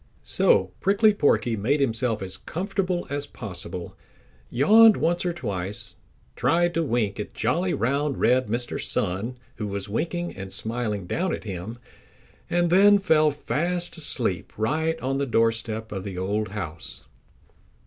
So Prickly Porky made himself as comfortable as possible, yawned once or twice, tried to wink at jolly, round, red Mr. Sun, who was winking and smiling down at him and then fell fast asleep right on the doorstep of the old house.